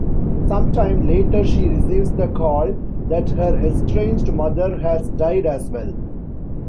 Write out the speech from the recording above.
Sometime later she receives the call that her estranged mother has died as well.